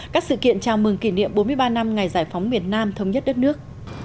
các sự kiện chào mừng kỷ niệm bốn mươi ba năm ngày giải phóng miền nam thống nhất đất nước